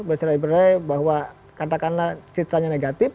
bercerai berdai bahwa katakanlah ceritanya negatif